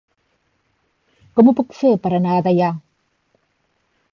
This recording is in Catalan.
Com ho puc fer per anar a Deià?